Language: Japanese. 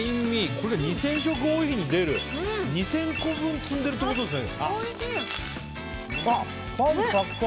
２０００食出るって２０００個分積んでるってことですね。